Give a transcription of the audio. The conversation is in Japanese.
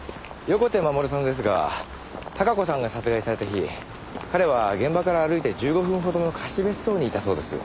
横手護さんですが孝子さんが殺害された日彼は現場から歩いて１５分ほどの貸別荘にいたそうです。